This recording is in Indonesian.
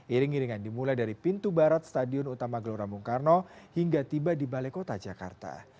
iring iringan dimulai dari pintu barat stadion utama gelora bung karno hingga tiba di balai kota jakarta